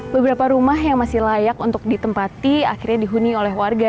beberapa rumah yang masih layak untuk ditempati akhirnya dihuni oleh warga